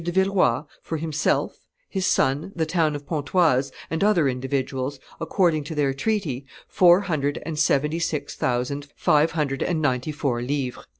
de Villeroi, for himself, his son, the town of Pontoise, and other individuals, according to their treaty, four hundred and seventy six thousand five hundred and ninety four livres."